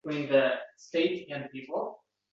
Merosdan ming riyol nasibasini oldi.